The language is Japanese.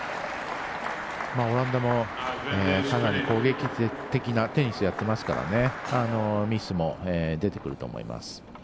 オランダもかなり攻撃的なテニスをやっていますからミスも出てくると思います。